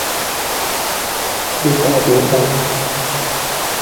dịka ọ dị ugbua